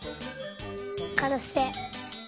かなしい。